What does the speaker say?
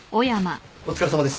お疲れさまです。